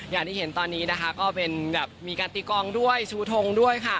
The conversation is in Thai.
อย่างที่เห็นตอนนี้ก็มีการตีกรองด้วยชูทงด้วย